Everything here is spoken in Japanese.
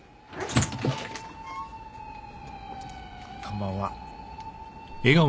こんばんは。